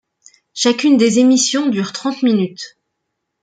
Chacune des émissions dure trente minutes.